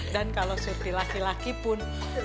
dan kalau surti laki laki pun